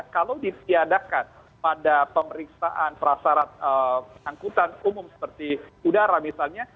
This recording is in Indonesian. kalau ditiadakan pada pemeriksaan prasarat angkutan umum seperti udara misalnya